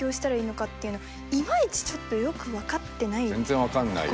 全然分かんないよ。